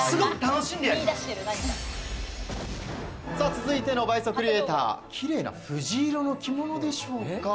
続いての倍速リエイター、キレイな藤色の着物でしょうか。